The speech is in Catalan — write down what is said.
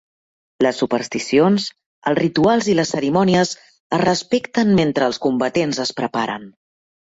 Les supersticions, els rituals i les cerimònies es respecten mentre els combatents es preparen.